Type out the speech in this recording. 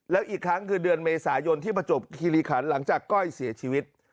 แล้วอีกครั้งคือเดือนเมษายนที่ประจบคิริขันหลังจากก้อยเสียชีวิต